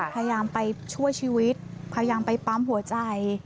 พยายามไปช่วยชีวิตพยายามไปปั๊มหัวใจ